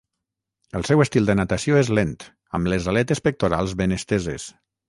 El seu estil de natació és lent, amb les aletes pectorals ben esteses.